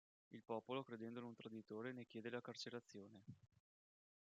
Il popolo credendolo un traditore ne chiede la carcerazione.